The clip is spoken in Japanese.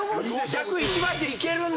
逆に１枚でいけるんだ？